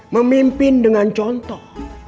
memimpin dengan contoh